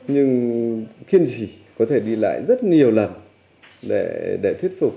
nhưng kiên trì có thể đi lại rất nhiều lần để thuyết phục